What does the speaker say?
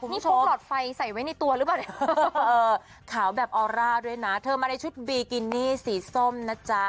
นี่พกหลอดไฟใส่ไว้ในตัวหรือเปล่าเนี่ยขาวแบบออร่าด้วยนะเธอมาในชุดบีกินี่สีส้มนะจ๊ะ